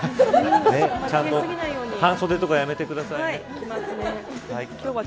ちゃんと半袖とかやめてください。